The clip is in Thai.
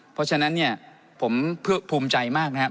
เพราะฉะนั้นเนี่ยผมภูมิใจมากนะครับ